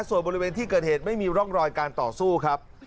ส่วนบริเวณที่เกิดเหตุไม่มีร่องรอยการต่อสู้ครับ